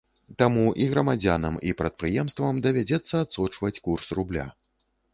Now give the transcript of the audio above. Таму і грамадзянам і прадпрыемствам давядзецца адсочваць курс рубля.